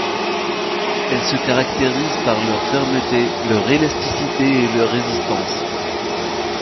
Elles se caractérisent par leur fermeté, leur élasticité et leur résistance.